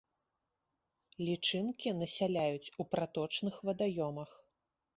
Лічынкі насяляюць у праточных вадаёмах.